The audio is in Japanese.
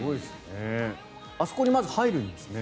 あそこにまず、入るんですね。